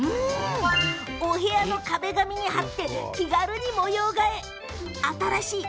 お部屋の壁紙に貼って気軽に模様替え。